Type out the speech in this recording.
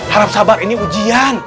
harap sabar ini ujian